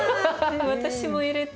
私も入れて。